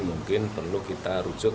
mungkin perlu kita rujuk